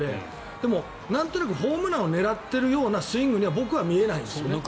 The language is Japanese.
でも、なんとなくホームランを狙ってるようなスイングには僕は見えないんですね。